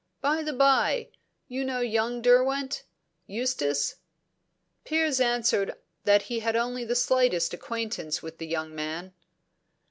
By the bye, you know young Derwent Eustace?" Piers answered that he had only the slightest acquaintance with the young man.